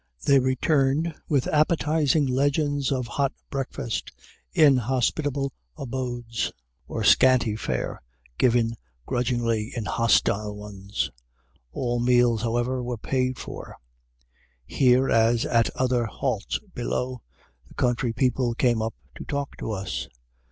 They returned with appetizing legends of hot breakfast in hospitable abodes, or scanty fare given grudgingly in hostile ones. All meals, however, were paid for. Here, as at other halts below, the country people came up to talk to us.